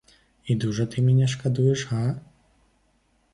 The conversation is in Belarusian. І дужа ты мяне шкадуеш, га?